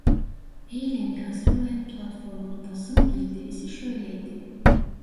Eylemi hazırlayan platformun basın bildirisi şöyleydi: